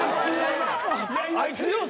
あいつよう